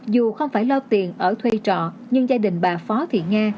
dù không phải lo tiền ở thuê trọ nhưng gia đình bà phó thị nga